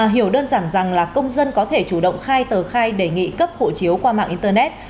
hiểu đơn giản rằng là công dân có thể chủ động khai tờ khai đề nghị cấp hộ chiếu qua mạng internet